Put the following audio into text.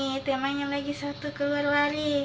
ada nih temanya lagi satu keluar lari